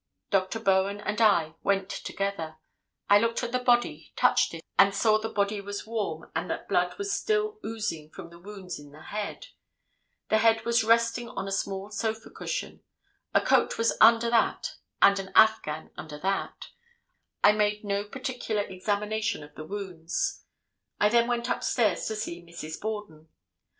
Dr. Bowen and I went together; I looked at the body, touched it and saw the body was warm and that blood was still oozing from the wounds in the head; the head was resting on a small sofa cushion; a coat was under that and an afghan under that; I made no particular examination of the wounds; I then went upstairs to see Mrs. Borden.